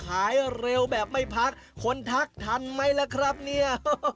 หายเร็วแบบไม่พักคนทักทันไหมล่ะครับเนี่ย